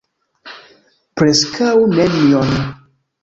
Preskaŭ nenion.